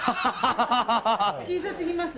小さすぎます？